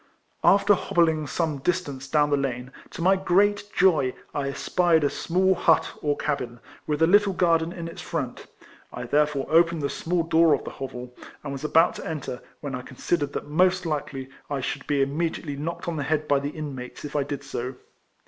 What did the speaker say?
221 After hobbling some distance down the lane, to my great joy I espied a small hut or cabin, with a little garden in its front; I therefore opened the small door of the hovel, and was about to enter, when I considered that most likely I should be immediately knocked on the head by the inmates if 1 did so.